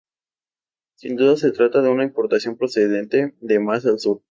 Sin duda se trata de una importación procedente de más al Sur.